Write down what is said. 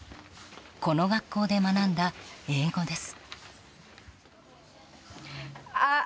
この学校で学んだ英語です。